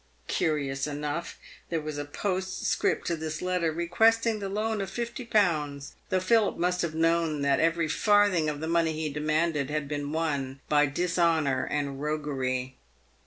Curious enough, there was a postscript to this letter requesting the loan of 50/., though Philip must have known that every farthing of the money he demanded had been won by dishonour and roguery.